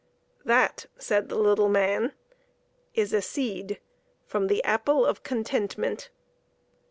"That," said the little man, "is a seed from the apple of contentment.